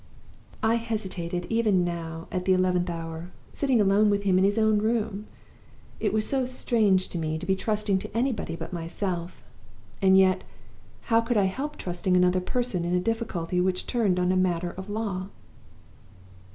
"I hesitated even now, at the eleventh hour, sitting alone with him in his own room. It was so strange to me to be trusting to anybody but myself! And yet, how could I help trusting another person in a difficulty which turned on a matter of law?